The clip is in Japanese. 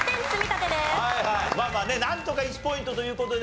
まあまあねっなんとか１ポイントという事で。